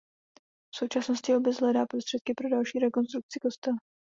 V současnosti obec hledá prostředky pro další rekonstrukci kostela.